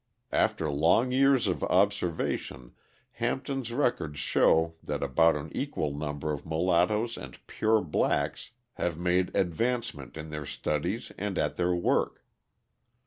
After long years of observation Hampton's records show that about an equal number of mulattoes and pure blacks have made advancement in their studies and at their work.